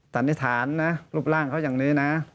สันนิษฐานนะรูปร่างเขาอย่างนี้นะ